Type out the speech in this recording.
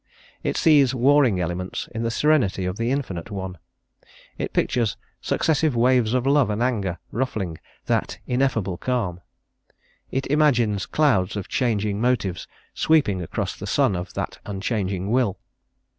It sees warring elements in the Serenity of the Infinite One; it pictures successive waves of love and anger ruffling that ineffable Calm; it imagines clouds of changing motives sweeping across the sun of that unchanging Will.